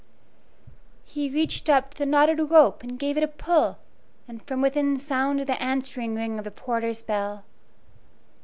He reached up to the knotted rope and gave it a pull, and from within sounded the answering ring of the porter's bell.